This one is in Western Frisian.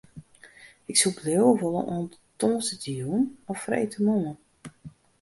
Ik soe bliuwe wolle oant tongersdeitejûn of freedtemoarn.